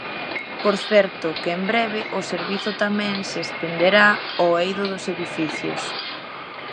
Por certo que en breve o servizo tamén se estenderá ao eido dos edificios.